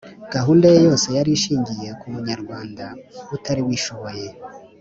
gahunda ye yose yari ishingiye ku munyarwanda, utari wishoboye.